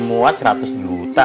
ini muat seratus juta